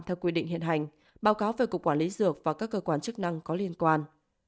theo quy định hiện hành báo cáo về cục quản lý dược và các cơ quan chức năng có liên quan